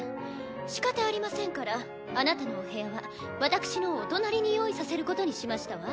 しかたありませんからあなたのお部屋は私のお隣に用意させることにしましたわ。